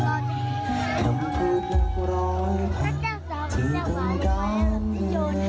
รักษาสาวมันจะหวานไว้แล้วที่โยนให้เรา